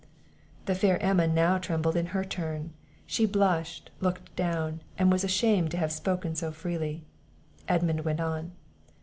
The fair Emma now trembled in her turn; she blushed, looked down, and was ashamed to have spoken so freely. Edmund went on.